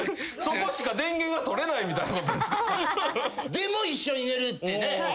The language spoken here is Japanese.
でも一緒に寝るってね